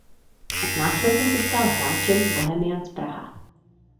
Následně se stal hráčem Bohemians Praha.